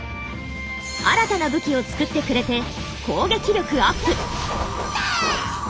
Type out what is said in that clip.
新たな武器を作ってくれて攻撃力アップ！